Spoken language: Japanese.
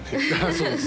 そうです